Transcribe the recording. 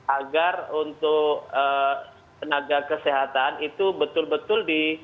agar untuk tenaga kesehatan itu betul betul di